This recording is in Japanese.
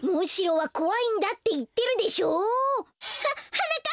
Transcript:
ははなかっ